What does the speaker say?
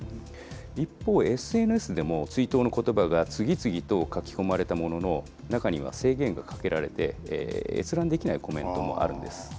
一方、ＳＮＳでも、追悼のことばが次々と書き込まれたものの、中には制限がかけられて、閲覧できないコメントもあるんです。